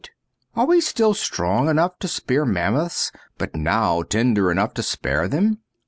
Are we still strong enough to spear mammoths, but now tender enough to spare them